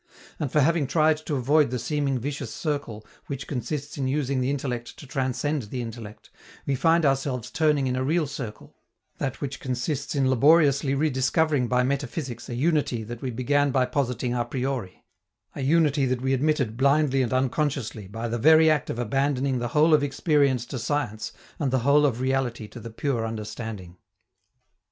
And for having tried to avoid the seeming vicious circle which consists in using the intellect to transcend the intellect, we find ourselves turning in a real circle, that which consists in laboriously rediscovering by metaphysics a unity that we began by positing a priori, a unity that we admitted blindly and unconsciously by the very act of abandoning the whole of experience to science and the whole of reality to the pure understanding.